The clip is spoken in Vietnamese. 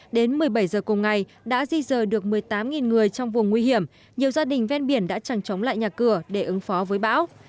đến một mươi bảy giờ cùng ngày đã di rời được một mươi tám người trong vùng nguy hiểm nhiều gia đình ven biển đã chẳng chống lại nhà cửa để ứng phó với bão